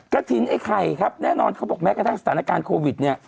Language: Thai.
กระถิ่นไอ้ไข่ครับแน่นอนเขาบอกแม้กระทั่งสถานการณ์โควิดเนี่ย